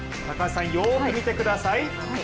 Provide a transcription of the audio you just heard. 高橋さん、よく見てください。